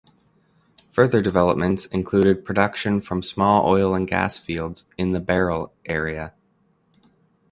Further developments included production from small oil and gas fields in the Beryl area.